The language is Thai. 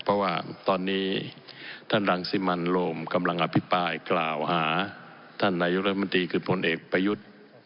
เพราะว่าตอนนี้ท่านรังสิมันโรมกำลังอภิปรายกล่าวหาท่านนายกรัฐมนตรีคือผลเอกประยุทธ์